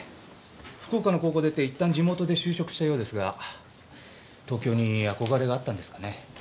福岡の高校を出て一旦地元で就職したようですが東京に憧れがあったんですかね。